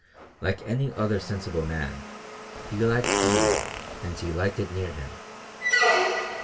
Like any other sensible man, he liked beauty and he liked it near him.